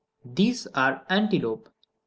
These are antelope.